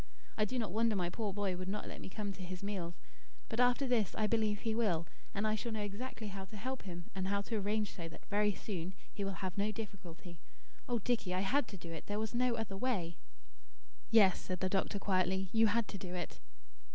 I do not wonder my poor boy would not let me come to his meals. But after this I believe he will, and I shall know exactly how to help him and how to arrange so that very soon he will have no difficulty. Oh, Dicky, I had to do it! There was no other way." "Yes," said the doctor quietly, "you had to do it."